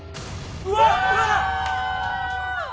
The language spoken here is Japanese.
うわーっ！